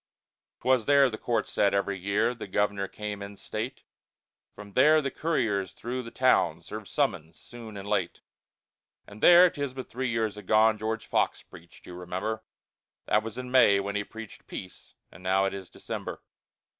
'Twas there the court sat every year, The governor came in state, From there the couriers through the town Served summons soon and late. And there, 'tis but three years agone, George Fox preached, you remember; That was in May when he preached peace, And now it is December.